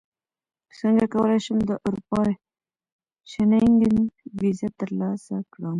څنګه کولی شم د اروپا شینګن ویزه ترلاسه کړم